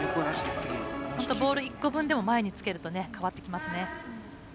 本当に、ボール１個分でも前に詰められると変わってきますね。